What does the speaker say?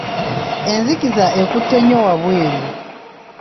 Enzikiza ekutte nnyo wabweru.